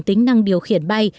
tính năng điều khiển bay